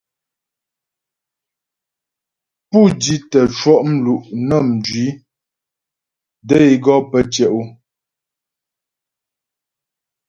Pú di tə́ cwɔ' mlu' nə́ mjwi də é gɔ pə́ tyɛ' o.